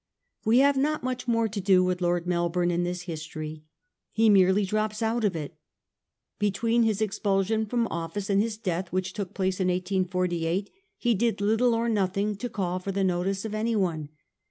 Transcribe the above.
We have not much more to do with Lord Mel bourne in this history. He merely drops out of it. Between his expulsion from office and his death, which took place in 1848, he did little or nothing to call for the notice of anyone.